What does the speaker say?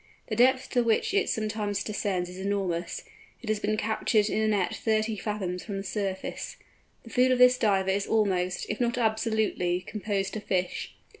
The depth to which it sometimes descends is also enormous—it has been captured in a net thirty fathoms from the surface. The food of this Diver is almost, if not absolutely, composed of fish.